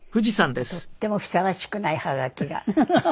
とってもふさわしくないはがきがくる。